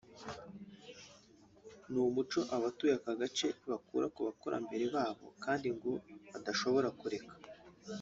ni umuco abatuye aka gace bakura ku bakurambere babo kandi ngo badashobora kureka